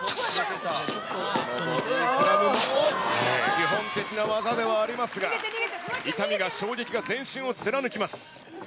基本的な技ではありますが、痛みが、衝撃が全身を貫きます。